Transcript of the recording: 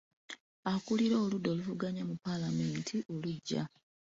Akulira oludda oluvuganya mu Paalamenti omuggya.